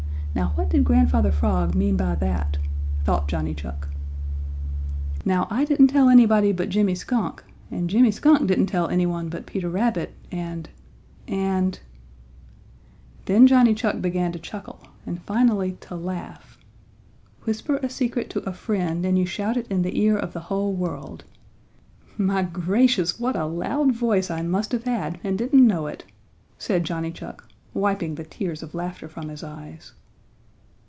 Now what did Grandfather Frog mean by that?" thought Johnny Chuck. "Now I didn't tell anybody but Jimmy Skunk and Jimmy Skunk didn't tell anyone but Peter Rabbit and and " Then Johnny Chuck began to chuckle and finally to laugh. "'Whisper a secret to a friend and you shout it in the ear of the whole world.' My gracious, what a loud voice I must have had and didn't know it!" said Johnny Chuck, wiping the tears of laughter from his eyes.